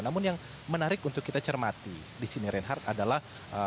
namun yang menarik untuk kita cermati di sini reinhardt adalah